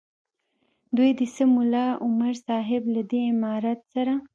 دوه دې سه ملا عمر صاحب له دې امارت سره.